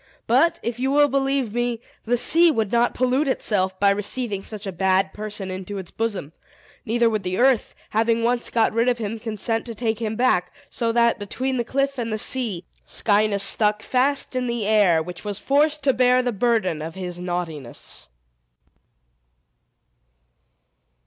But if you will believe me, the sea would not pollute itself by receiving such a bad person into its bosom; neither would the earth, having once got rid of him, consent to take him back; so that, between the cliff and the sea, Scinis stuck fast in the air, which was forced to bear the burden of his naughtiness.